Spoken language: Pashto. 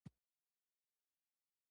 سبا یوه بجه که در ورسېدم، ښه.